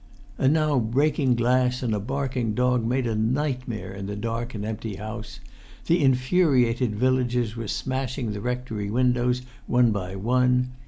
And now breaking glass and barking dog made night a nightmare in the dark and empty house: the infuriated villagers were smashing the rectory windows one by one.